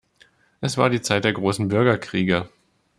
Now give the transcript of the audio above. Es war die Zeit der großen Bürgerkriege.